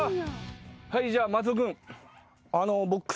はいじゃあ松尾君。え？